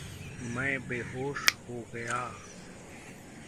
मैं बेहोश हो गया।